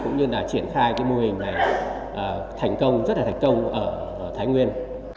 cũng như là triển khai cái mô hình này thành công rất là thành công ở thái nguyên